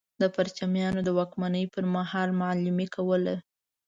د پرچمیانو د واکمنۍ پر مهال معلمي کوله.